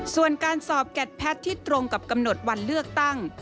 ส่วนการสอบแกดแพทย์ที่ตรงกับกำหนดวันเลือกตั้ง